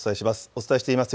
お伝えします。